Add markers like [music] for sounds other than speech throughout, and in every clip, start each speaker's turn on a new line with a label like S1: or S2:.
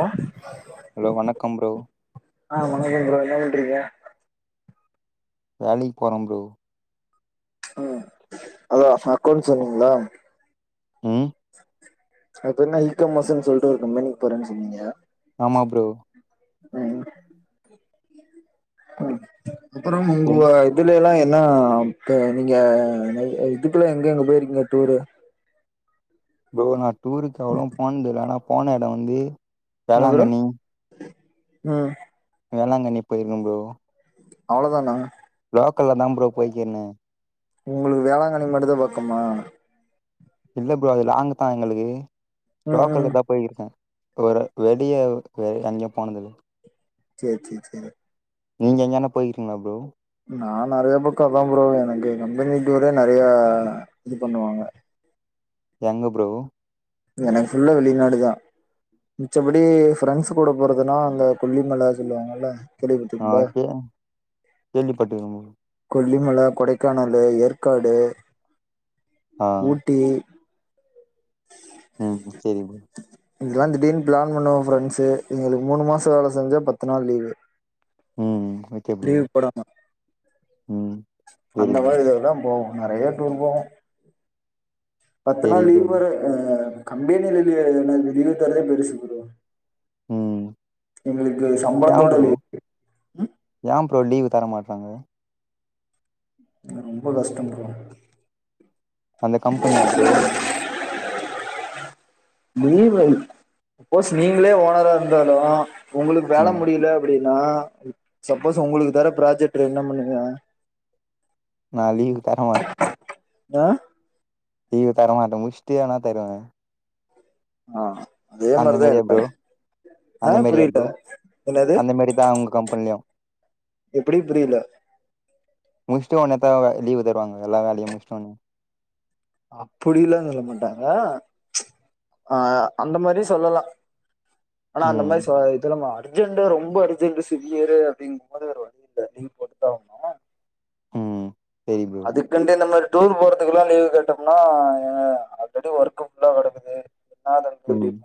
S1: அ
S2: hello வணக்கம் bro
S1: ஆ வணக்கம் ப்ரோ என்ன பண்றீங்க
S2: வேலைக்கு போறம் ப்ரோ
S1: அ அதா அக்கௌண்ட்ஸ் சொன்னீங்ள
S2: ம்
S1: அப்ப என்ன ஈ காம் மஸ்னு சொல்லிட்டு ஒரு கம்பெனிக்கு போறேனு சொன்னீங்க
S2: ஆமா ப்ரோ
S1: ம ம் அப்புறம்
S2: என்
S1: முங்குவாய் இதுல எல்லா என்ன இப்ப நீங்க நெறைய இதுக்குல்லா எங்க எங்க போயிருக்கீங்க டூரு
S2: ப்ரோ நா டூருக்கு அவ்ளோவு போனுது இல்ல ஆனா போன எடோ வந்து
S1: என்ன ப்ரோ
S2: வேளாங்கண்ணி
S1: ம்
S2: வேளாங்கண்ணி போயிருக்க ப்ரோ
S1: அவ்ளோதானா
S2: லோக்கல்ல தா ப்ரோ போயிக்கனே
S1: உங்களுக்கு வேளாங்கண்னி மட்டுதா பக்கமா
S2: இல்ல ப்ரோ அது லாங்குதா எங்களுக்கு
S1: ம் ம்
S2: லோக்கல்லதா போயிருக்கே ஒரு வெளியே வெ எங்கியு போனதில்ல
S1: ச்சே ச்சே ச்சே
S2: நீங்க எங்கனா போய்கிறீங்களா ப்ரோ
S1: நா நெறைய பக்கோ அதா ப்ரோ எனக்கு கம்பெனிக்குரே நெறையா இது பண்ணுவாங்க
S2: எங்க ப்ரோ
S1: எனக்கு ஃபுல்லா வெளிநாடு தா மிச்சபடி ஃப்ரெண்ட்ஸ் கூட போறதுனா அங்க கொல்லிமல சொல்லுவாங்கல்ல
S2: ஆ
S1: கேள்விப்பட்டிருக்கீங்களா
S2: கே கேள்விபட்ருக்க ப்ரோ
S1: கொல்லிமல கொடைக்கானலு ஏற்காடு
S2: ஆ
S1: ஊட்டி
S2: ம் செரி ப்ரோ
S1: எங்கெல்லா திடீர்னு ப்ளான் பண்ணுவோ ஃபிரண்ட்ஸு எங்களுக்கு மூணு மாசோ வேல செஞ்சா பத்து நாள் லீவு
S2: ம் ஓகே ப்ரோ
S1: லீவ் போடாம
S2: ம் சரி
S1: அந்த
S2: ப்ரோ
S1: மாரி இதெல்லா போவோ நெறையா டூர் போவோ பத்து
S2: சரி
S1: நாள்
S2: ப்ரோ
S1: லீவ் வர அ கம்பேனியில லீவுனா லீவு தரதே பெருசு ப்ரோ
S2: ம்
S1: எங்களுக்கு சம்பளத்தோட லீவு
S2: ஏம் ப்ரோ லீவு தர மாட்றாங்க
S1: ரொம்ப கஷ்டம் ப்ரோ
S2: அந்த கம்பெனியா ப்ரோ
S1: நீங்ளே சப்போஸ் நீங்ளே ஓனரா இருந்தாலு உங்களுக்கு வேல
S2: ம்
S1: முடியல அப்டின்னா சப்போஸ் உங்களுக்கு தர ப்ராஜெக்டு என்ன பண்ணுவீங்க
S2: நா லீவு தருவ
S1: அ
S2: லீவ் தரவமாட்ட முஷ்டியனா தருவே
S1: ஆ அதே
S2: அந்த
S1: மாரித
S2: மாரியா ப்ரோ
S1: இருப்பாரு
S2: அந்த மாரியா ப்ரோ
S1: என்னது
S2: அந்த மாரி தா அவுங்க கம்பெனிலயு
S1: எப்டி புரியல
S2: முஷ்ட்டு ஒன்னத்தேவ லீவு தருவாங்க எல்லா வேலையு முஷ்ட்டோனா
S1: அப்டில்லா சொல்ல மாட்டாங்க ஆ அந்த மாரியு சொல்லலா ஆனா அந்த
S2: ம்
S1: மாரி சோய்த் [unintelligible] அர்ஜென்டு ரொம்ப அர்ஜென்டு சிவியரு அப்டிங்கும் போது வேற வழி இல்ல லீவ் போட்டு த ஆகணு
S2: செரி ப்ரோ
S1: அதுக்கின்ட்டு இந்த மாரி டூர் போறதுக்லா லீவ் கேட்டோம்னா ஆல்ரெடி ஒர்க்கு ஃபுல்லா கெடக்குது
S2: ம்
S1: [unintelligible]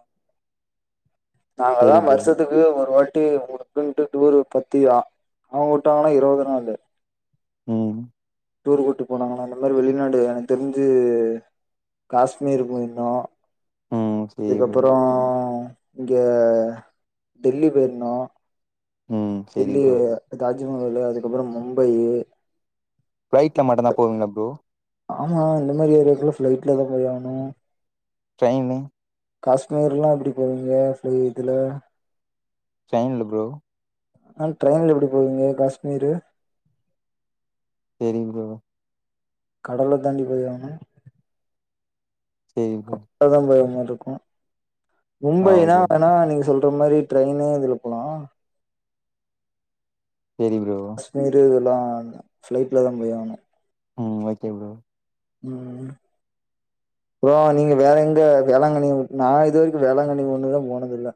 S1: நாங்களா
S2: சரி ப்ரோ
S1: வர்ஷத்துக் எப்பயோ ஒரு வாட்டி ஊருக்குனு டூர் பத்தியா அவுங்க விட்டாங்கன்னா இருவது நாலு
S2: ம்
S1: டூர் கூட்டு போனாங்கன்னா அந்த மாரி வெளிநாடு எனக்கு தெரிஞ்சு காஷ்மீர் போயிந்தோ
S2: ம் சரி ப்ரோ
S1: அதுக்கப்றோ இங்க டில்லி போயிருந்தோ
S2: ம் சரி
S1: டில்லி
S2: ப்ரோ
S1: தாஜ்மஹாலு அதுக்கப்றோ மும்பையி
S2: பிளைட்ல மட்டுதா போவீங்ளா ப்ரோ
S1: ஆமா இந்த மாரி ஏரியாவுக்குள்ள ஃப்ளைட்ல தா போய் ஆவுணு
S2: ட்ரெயினு
S1: காஷ்மீர்ல்லா எப்டி போவீங்க ஃப்ளை இதுல
S2: ட்ரெயின்ல ப்ரோ
S1: ஆ ட்ரெயில்ல எப்டி போவீங்க காஷ்மீரு
S2: செரிங் ப்ரோ
S1: கடல தாண்டி போயி ஆகுனு
S2: செரி ப்ரோ
S1: அதா பயமா இருக்கு
S2: ஆ
S1: மும்பைனா
S2: ஓகே
S1: வேணா நீங்க சொல் இந்த மாரி ட்ரெயினு இதுல போலா
S2: செரி ப்ரோ
S1: ஷ்மீரு இதெல்லா ஃப்ளைட்ல தா போய் ஆகணு
S2: ம் ஓகே ப்ரோ
S1: ம் ப்ரோ நீங்க வேற எங்க வேளாங்கண்ணி நா இது வரைக்கு வேளாங்கண்ணி ஒண்ணு தா போனதில்ல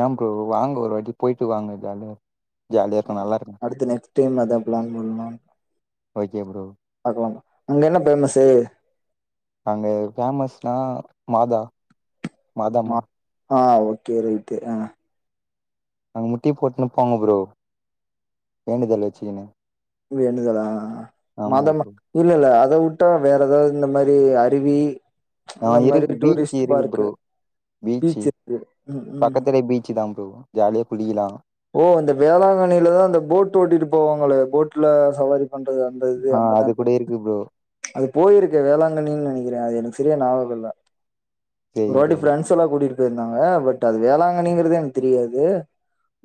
S2: ஏ ப்ரோ வாங்க ஒரு வாட்டி போய்ட்டு வாங்க ஜாலியா ஜாலியா இருக்
S1: அடுத்து நெக்ஸ்ட் டைம் அதா பிளான் பண்ணு
S2: ஓகே ப்ரோ
S1: பாக்லா அங்க என்ன பேமஸ்சு
S2: அங்க ஃபேமஸ்னா மாதா மாதாம்மா
S1: மாதா ஓகே ரைட்டு ஆ
S2: அங்க முட்டி போட்ன்னு போங்க ப்ரோ வேண்டுதல் வச்சுக்குணு
S1: வேண்டுதலா மாதம
S2: ப்ரோ
S1: இல்ல இல்ல அத விட்டா வேற ஏதாவது இந்த மாரி அருவி
S2: ஆ
S1: இந்த
S2: இரு
S1: மாரி
S2: பீச்
S1: டூரிஸ்ட்
S2: இருக்கு
S1: பார்க்கு
S2: ப்ரோ பீச்சு
S1: பீச் இருக்கு ம் ம்
S2: பக்கத்துல பீச்சு தா ப்ரோ ஜாலியா குளிக்கலா
S1: ஓ அந்த வேளாங்கண்ணிலதா அந்த போட் ஓட்டிட்டு போவங்களே போட்ல சவாரி பண்றது அந்த இது
S2: ஆ
S1: அங்கதா
S2: அது
S1: [inaudible]
S2: கூட இருக்கு ப்ரோ
S1: அது போய்ருக்கு வேளாங்கண்ணினு நெனக்கிறே. அது எனக் செரியா ஞாவக இல்ல
S2: சரி
S1: ஒரு வாட்டி
S2: ப்ரோ
S1: ஃப்ரெண் ஸ்ல்லா கூட்டிட்டு போய்ருந்தாங்க. பட் அது வேளாங்கண்ணிங்கறது எனக்கு தெரியாது.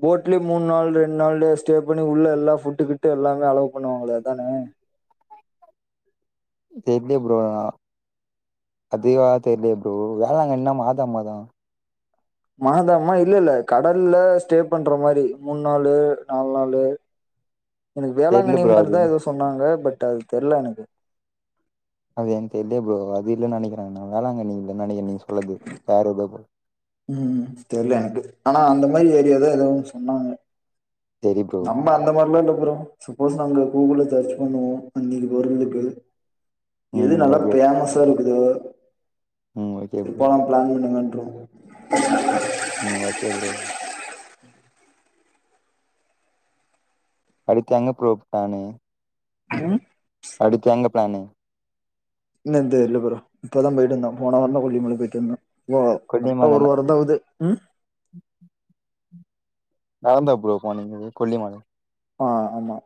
S1: போட்லயே மூன்நாள் ரெண்டு நாளு ஸ்டே பண்ணி உள்ள எல்லா ஃபுட்டு கிட்டு எல்லாமே அலோ பண்ணுவாங்களே அதான
S2: தெர்லெயே ப்ரோ. அதிகவா தெர்லெயே ப்ரோ. வேளாங்கண்ணினா மாதா மா தான
S1: மாதா மா இல்ல இல்ல கடல்ல ஸ்டே பண்ற மாரி மூன் நாளு நாலு நாளு. எனக்கு
S2: தெர்ல
S1: வேளாங்கண்ணி
S2: ப்ரோ அது
S1: மாரிதா எதோ சொன்னாங்க. பட் அது தெர்ல எனக்கு.
S2: அது எனக்கு தெர்லயே ப்ரோ. அது இல்லன்னு நெனக்கிற நா வேளாங்கண்ணி இல்லன்னு நெனக்கிற நீங்க சொல்லுது வேற எதோ ப்ரோ
S1: ம் ம் தெர்ல எனக்கு. ஆனா அந்த மாரி ஏரியா தா எதோ ஒன்னு சொன்னாங்க.
S2: தெரி ப்ரோ
S1: நம்ம அந்த மார்லா இல்ல ப்ரோ. சப்போஸ் நாங்க கூகுள்ல சேர்ச் பண்ணுவோ இன்னெக்கு போறதுக்கு எது
S2: ம்
S1: நல்லா
S2: ஓகே
S1: ஃபேமஸா இருக்குது
S2: ம் ஓகே ப்ரோ
S1: திருப்பல்லா பிளான் இல்லங்க ப்ரோ
S2: ம் ஓகே ப்ரோ அடுத்து எங்க ப்ரோ ப்ளான்னு
S1: ம்
S2: அடுத்து எங்க ப்ளானு
S1: இன்னு தெர்ல ப்ரோ. இப்பதா போய்ட்டு வந்த. போன வாரதா கொல்லிமல போய்ட்டு வந்த. ஏ கரெக்ட்டா ஒரு
S2: கொல்லிமலைனா
S1: வாரந்தா ஆவ்து ம்
S2: நடந்தா ப்ரோ போனீங்க கொல்லிமல
S1: ஆ ஆமா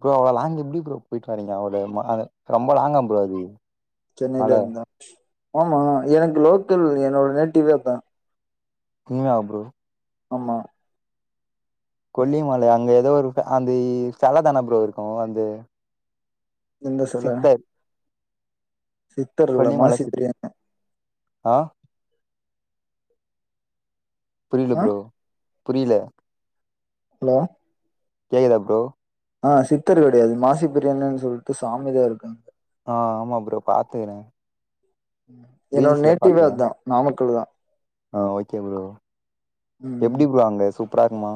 S2: ப்ரோ அவ்ளோ லாங் எப்படி ப்ரோ போய்ட்டு வரீங்க அவ்ள அ ரொம்ப லாங்கா ப்ரோ அது
S1: சென்னைல
S2: மல
S1: இருந்த ஆமா எனக்கு லோக்கலு என்னோட நேட்டிவே அதா
S2: உண்மையா ப்ரோ
S1: ஆமா
S2: கொல்லிமல அங்க எதோ ஒரு அந்த செல தான ப்ரோ இருக்கு அந்த
S1: எந்த செல
S2: சித்தர்
S1: இல்ல
S2: கொல்லிமல
S1: மாசி
S2: சித்
S1: பிரியன்
S2: அ புரில
S1: ஆ
S2: ப்ரோ புரில
S1: ஹலோ
S2: கேக்குதா ப்ரோ
S1: ஆ சித்தர் கெடையாது மாசி பிரியாணுன்னு சொல்லிட்டு சாமிதா இருக்கு
S2: ஆஹ் ஆமா ப்ரோ பாத்துக்குற
S1: ம் என்னோட நேட்டிவே
S2: பாத்துக்கிறே
S1: அதான் நாமக்கல் தான்
S2: ஆ ஓகே ப்ரோ
S1: ம்
S2: எப்டி ப்ரோ அங்க சூப்பரா இருக்குமா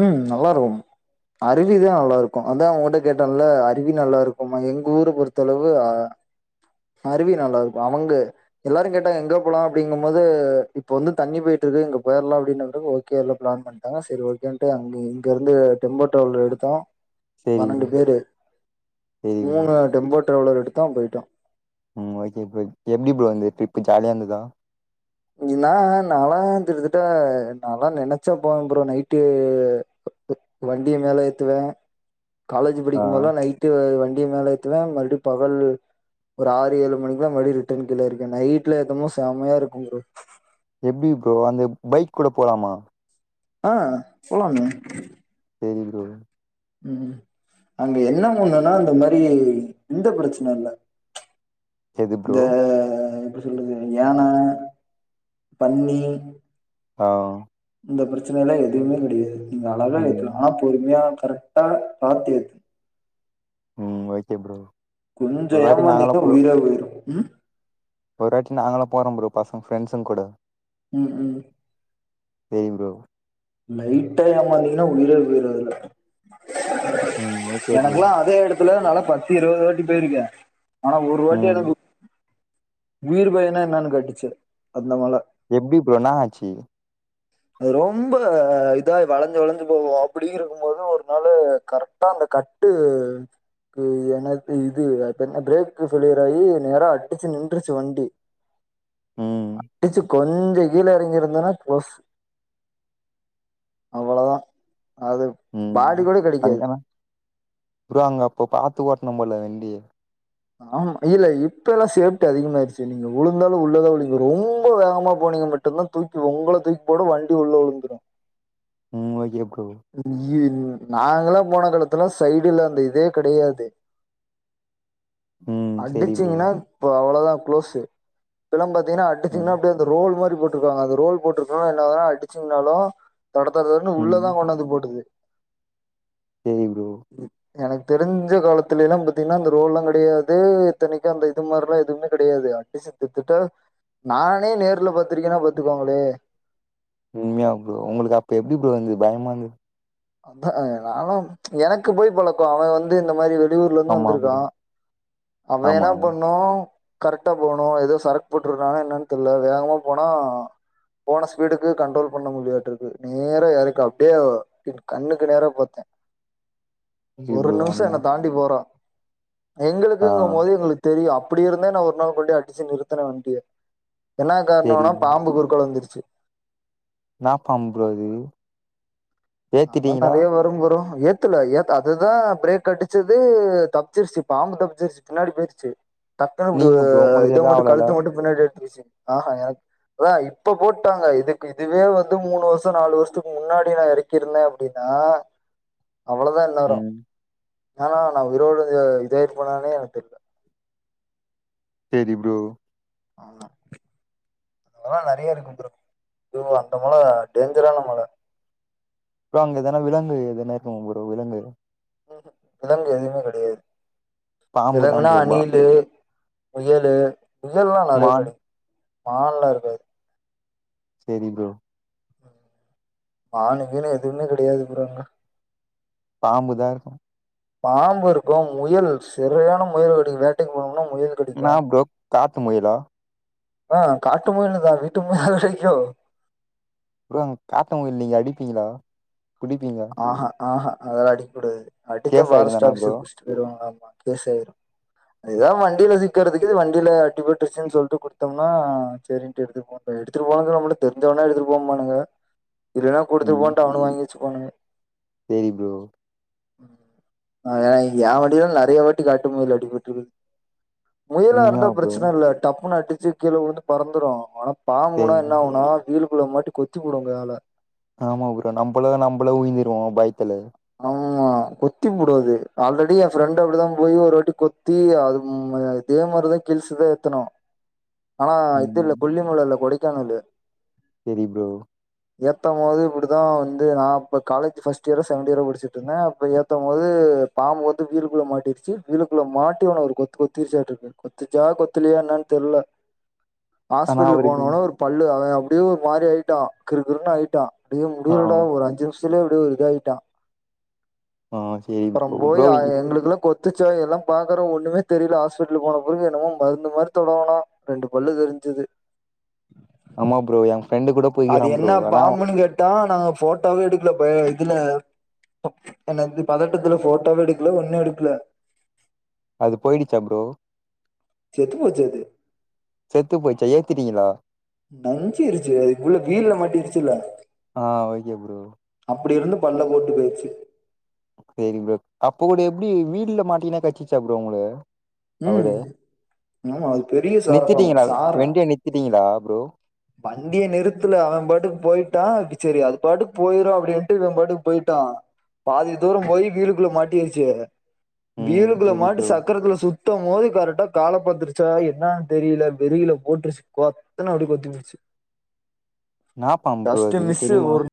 S1: ம் நல்லாருக்கு அருவிதா அவ்ளோ இருக்கு. அதா ஊன்ட்ட கேட்டெல்ல. அருவி நல்லாருக்குமா எங்க ஊர பொறுத்த அளவு அருவி நல்லா இருக்கு. அவுங்க எல்லாரு கேட்டாங்க எங்க போலா அப்பிடிங்குபோது இப்ப வந்து தண்ணி போய்ட்டு இருக்கு இங்க போய்ர்லா அப்பிடினதுக்கு ஓகே எல்லா ப்ளான் பண் தானா செரி ஓகேன்ட்டு அங்க இங்க இருந்து டெம்போ ட்ராவலர் எடுத்தோ
S2: சேரி
S1: பன்னெண்டு
S2: ப்ரோ
S1: பேரு.
S2: சேரி ப்ரோ
S1: மூணு டெம்போ ட்ராவலர் எடுத்தோ போய்ட்டோ.
S2: ம் ஓகே ப்ரோ எப்டி ப்ரோ இருந்தது ட்ரிப் ஜாலியா இருந்துதா
S1: நீலா நால்லா திட்ட தட்ட நால்லா நெனச்சே போன ப்ரோ நைட்டு வண்டிய மேல ஏத்துவே. காலேஜ்
S2: ஆ
S1: படிக்கும்போதெல்லா நைட்டு வண்டிய மேல ஏத் துவே மறுபடியு பகலு ஒரு ஆறு ஏழு மணிக்லா மறுபடி ரிட்டன் கீழ இருக்கே. நைட்ல ஏத்துமோ செமையா இருக்கு ப்ரோ
S2: எப்டி ப்ரோ அந்த பைக் கூட போலாமா
S1: ஆ போலமே
S2: செரி ப்ரோ
S1: ம் அங்க என்ன ஒன்னுன்னா அந்த மாரி இந்த பிரச்சன இல்ல
S2: [unintelligible]
S1: இந்த எப்டி சொல்றது யான பன்னி
S2: ஆ
S1: இந்த பிரச்சனல்லா எதுவுமே கெடையாது நீங்க அழகா ஏத்தலா
S2: ம்.
S1: ஆனா பொறுமையா கரெக்டா பாத்து ஏத்துன்
S2: ம் ஓகே ப்ரோ
S1: கொஞ்சோ
S2: ஒரு வாட்டி நாங்கலாம்
S1: ஏமாந்தீங்னா
S2: போ
S1: உயிரே போயிரு ம்
S2: ஒரு வாட்டி நாங்களு போறோம் ப்ரோ பசங்க ஃப்ரெண்ட்ஸ்ங் கூடோ
S1: ம் ம்
S2: சேரிங் ப்ரோ
S1: லைட்டா ஏமாந்தீங்கன்னா உயிரே போய்டு அதுல
S2: ம். Okay bro.
S1: எனக்குல்லா அதே எடுத் துல நால்லா பத்து இருவது வாட்டி போயிருக்கே ஆனா ஒரு வாட்டி
S2: ம்.
S1: எனக்கு உயிர் பயோன்னா என்னான்னு காட்டுச்சி அந்த மல
S2: எப்டி ப்ரோ என்னா ஆச்சி
S1: அது ரொம்ப அ இதா வளைஞ்சு வளைஞ்சு போகோ அப்டி இருக்கும்போது ஒரு நாளு கரெக்டா அந்த கட்டு க்கு எனக் இது அது பேர்னா பிரேக்கு ஃபெயிலியர் ஆயி நேரா அடிச்சு நின்ருச்சி வண்டி
S2: [unintelligible] ம்.
S1: அடிச்சி கொஞ்சோ கீழ எறங்கிருந்தேன்னா க்ளோசு அவ்ளதா அது
S2: ம்
S1: பாடி கூட கிடைக்காது
S2: அங்கனா ப்ரோ அங்க அப்போ பாத்து ஓட்னோ போல வண்டிய
S1: ஆமா இல்ல இப்பல்லா சேஃப்டி அதிகமாயிருச்சு நீங்க உழுந்தாலு உள்ளதா உழுவிங்க நீங்க ரொம்ப வேகமா போனீங்க மட் ட்டு தா தூக்கி உங்கள தூக்கி போடு வண்டி உள்ள உழுந்துடு
S2: ம் ஓகே ப்ரோ
S1: இ நாங்கல்லா போன காலத்துல்லா சைடுல அந்த இதே கடையாது
S2: ம். சரி ப்ரோ.
S1: அடிச்சீங்னா இப்ப அவ்ளோதா குளோசு இப்பல்லா பாத்தீங்கன்னா
S2: ம்.
S1: அடிச்சீங்னா அப்டியே அந்த ரோல் மாரி போட்ருக்காங்க அந்த ரோல் போட்ருக்கவோ என்னாதா அடிச்சிங்கனாலு தடத் தற தறன்னு
S2: ம்.
S1: உள்ளதா கொண்டாந் து போட்டுது
S2: சேரி ப்ரோ
S1: எனக்கு தெரிஞ்ச காலத்துலேல்லா பாத்தீங்கன்னா அந்த ரோல்லா கெடையாது இத்தனைக்கு அந்த இது மாரிலா எதுவுமே கெடையாது அடிச்சி திட்திட்ட நானே நேர்ல பாத்திருக்கேன்னா பாத்துக்கோங்ளே
S2: உண்மையா ப்ரோ உங்களுக்கு அப்போ எப்டி ப்ரோ இருந்து பயமா இருந்ததா
S1: அதா நால்லா எனக்கு போய் பழக்கோ ஆனா வந்து இந்த மாரி வெ வெளிவூர்லருந்து
S2: ஆமா ப்ரோ.
S1: வந்திருக்கோ அப்போ
S2: ஆமா,
S1: என்னா
S2: ஆமா.
S1: பண்ணோ கரெக்டா போணோ ஏதோ சரக் போட்டிருக்கானான்னு என்னான் தெர்ல வேகமா போனா போன ஸ்பீடுக்கு கண்ட்ரோல் பண்ண முடியாட்டு இருக்கு நேரா எறக்கு அப்டியே அ கண்ணுக்கு நேர பாத்தே
S2: சரி
S1: ஒரு
S2: ப்ரோ
S1: நிமிஷோ
S2: அங்க
S1: என்ன தாண்டி போறா
S2: ஆ.
S1: எங்களுக்குங்க போது எங்களுக்கு தெரியு அப்டி இருந்தோ நா ஒரு நாள் கொண்டு அடிச்சு நிறுத்தன வண்டிய என்ன
S2: சரி
S1: காரணோனா
S2: ப்ரோ.
S1: பாம்பு குருக்கால வந்துருச்சு
S2: என்னா பாம்பு ப்ரோ அது
S1: அதல்லா
S2: ஏத்திட்டீங்களா?
S1: நறைய வரு ப்ரோ எ த்துல எத் அதுதா பிரேக் அடிச்சது தப்ச்சிருச்சு பாம்பு தப்ச்சிருச்சு பின்னாடி போய்ருச்சு டக்குனு இப்டி
S2: நீங்க ப்ரோ உங்களுக்கு
S1: இத
S2: எதுவும்
S1: மட்டு
S2: ஆவலல்ல?
S1: கழுத்த மட்டு பின்னாடி எத்துருச்சு ஆஹா எனக் அதா இப்ப போட்டாங்க இதுக்கு இதுவே வந்து மூணு வருஷோ நாலு வருஷத்துக் முன்னாடி நா இரு க் இருந்த அப்டினா அவ்ளோதா எல்லாரு
S2: ம்
S1: எனா நா உயிரோட இத இதாய்ருப்பனானே எனக் தெர்ல
S2: செரி ப்ரோ
S1: ஆமா அதல்லா நறைய இருக்கு ப்ரோ அதுவு அந்த மல டேஞ்சரான மல
S2: அப்றோ அங்க எதனா விலங்கு எதனா இருக்குமா ப்ரோ விலங்கு
S1: விலங்கு எதுமே கடையாது
S2: பாம்பு தான்
S1: விலங்குனா
S2: ப்ரோ பா
S1: அணிலு முயலு முயல்லா நறைய
S2: மான்
S1: கடைக் மான்லா இருக்காது
S2: செரி ப்ரோ
S1: ஆனை கீனை எதுமே கிடையாது ப்ரோ அங்க
S2: பாம்புதா இருக்கு
S1: பாம்பு இருக்கு முயல் செறியான முயல் வேட்டைக் வேட்டைக்கு போனோம்னா முயல் கடிக்கு
S2: என்னா ப்ரோ காட்டி முயலா
S1: ஆ காட்டு முயலதா வீட்டு முயலா கடைக்கு
S2: ப்ரோ காட்டு முயல் நீங்க அடிப்பீங்ளா புடிப்பீங்ளா
S1: ஆஹா ஆஹா அதெல்லா அடிக் கூடாது அடிச்சா
S2: கேஸ் ஆயிடும்
S1: ஃபாரஸ்ட்
S2: தான ப்ரோ
S1: ஆஃபிஸர் புடிச்சிட்டு போய்ருவாங்களமா கேஸ் ஆய்ரு எதா வண்டில சிக்கறதுக்கு இது வண்டில அடிப்பட்ருச்சுனு சொல்ட்டு குடுத்தோம்னா செரின்ட்டு எடுத்துப்பாங் எடுத்துடு போனது நம்ளுக் தெரிஞ்சவனா எடுத்துட்டு போ பானுங்க இல்லனா குடுத்துட்டு போனு வாங்கி வெச்சுப்பானுங்க
S2: செரி ப்ரோ
S1: ஆ எ வண்டிலலா நறைய வாட்டி காட்டு முயல் அடிப்பட்ருக்குது முயலா இருந்தா
S2: உண்மையாவா ப்ரோ
S1: ப்ரச்சன இல்ல டப்புன்னு அடிச்சு கீழ உழுந்து பறந்துடு ஆனா பாம்புனா
S2: சரி
S1: என்ன ஆவுனா வீலுக்குள்ள மாட்டி கொத்திபுடு கால
S2: ஆமா ப்ரோ நம்பளதா நம்பளே உய்ந்துருவோ பய்த்துல
S1: ஆமா கொத்திபுடு அது ஆல்ரெடி எ ஃப்ரெண்டு அப்டிதா போய் ஒரு வாட்டி கொத்தி அது ம் அது அதே மாரிதா கில்ஸுதா ஏத்தனு
S2: [inaudible]
S1: ஆனா இது இல்ல
S2: ம்
S1: கொல்லிமல இல்ல கொடைக்கானலு
S2: செரி ப்ரோ
S1: ஏத்தமோது இப்டிதா வந்து நா அப்போ காலேஜ் ஃபஸ்ட்டு இயரோ ஸ் சகெண்ட் இயரோ படிச்சுட்ருந்தே அப்ப ஏத்தமோது பாம்பு வந்து வீலுக்குள்ள மாட்டிருச்சு வீலுக்குள்ள மாட்டி அவன ஒரு கொத்து கொத்திச்சாட்ருக்கு கொத்துச்சா கொத்தலயா என்னான் தெர்ல
S2: ஆனா
S1: ஹாஸ்பிடல்
S2: அவருக்கு
S1: போனவொனே ஒரு பல்லு அவ அப்டியே ஒருமாரி ஆய்ட்டா கிறுகிறுனு ஆயிட்டா டே
S2: ஆ
S1: முடிலடா ஒரு அஞ்சு நிம்ஷத்துலயே அப்டியே ஒரு இதாய்ட்டா
S2: ஆ சரி
S1: அப்புறோ
S2: ப்ரோ
S1: போய்
S2: ப்ரோ
S1: அது எங்குளுக்குலா கொத் துச்சா எல்லா பாக்குறோ ஒன்னுமே தெரில ஹாஸ்பிடலு போன பிறகு என்னமோ மருந்துமாரி தடவனா ரெண்டு பல்லு தெரிஞ்சது
S2: ஆமா ப்ரோ எ பிரெண்ட் கூட
S1: அது
S2: போய்க்கிறான் ப்ரோ
S1: என்ன
S2: ஆனா
S1: பாம்புன்னு கேட்டா நாங்க ஃபோட்டோவே எடுக்ல ப இதுல என்ன இது பதட்டத்துல ஃபோட்டோவே எடுக்ல ஒன்னு எடுக்ல
S2: அது போயிடுச்சா ப்ரோ
S1: செத்து போச்சு அது
S2: செத்து போயிச்சா ஏத்துட்டீங்களா
S1: நஞ்சிருச்சி அது உள்ள வீல்ல மாட்டிருச்சில்ல
S2: ஆ ஓகே ப்ரோ
S1: அப்டி இருந்து பல்ல போட்டு பேயிரிச்சி
S2: சரி ப்ரோ அப்போ கூட எப்டி வீல்ல மாட்டீகினா கச்சிச்சா ப்ரோ உங்கள அவுர
S1: ம் ஆமா அது பெரிய சாரப்பாம்பு
S2: நித்திட்டீங்களா
S1: சாரோ
S2: வெண்டியா நித்திட்டீங்களா ப்ரோ
S1: வண்டிய நிறுத்துல அவ பாட்டுக்கு போயிட்டா செரி அது பாட்டுக்கு போய்ரு அப்டின்ட்டு இவ பாட்டுக்கு போயிட்டா பாதி தூரம் போய் வீலுக்குள்ள மாட்டிருச்சு
S2: ம்
S1: வீலுக்குள்ள
S2: சேரி
S1: மாட்டி
S2: ப்ரோ
S1: சக்கரத்துல சுத் தம்போது கரெக்டா கால பாத்துருச்சா என்னான் தெரியில வெரியில போட்டுருச்சு பொத்துனு அப்டி கொத்திபுடு சு
S2: என்னா பாம்பு ப்ரோ
S1: ஜஸ்ட்டு
S2: அது தெரியுமா
S1: மிஸ்ஸு